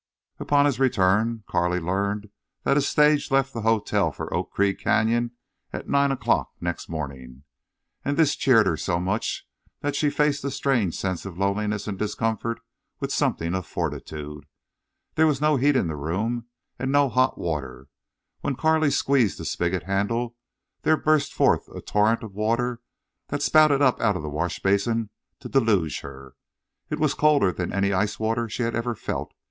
Upon his return Carley learned that a stage left the hotel for Oak Creek Canyon at nine o'clock next morning. And this cheered her so much that she faced the strange sense of loneliness and discomfort with something of fortitude. There was no heat in the room, and no hot water. When Carley squeezed the spigot handle there burst forth a torrent of water that spouted up out of the washbasin to deluge her. It was colder than any ice water she had ever felt.